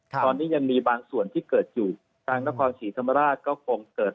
ตอนนี้ยังมีบางส่วนที่เกิดอยู่ทางนครศรีธรรมราชก็คงเกิด